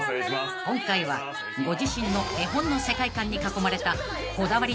［今回はご自身の絵本の世界観に囲まれた］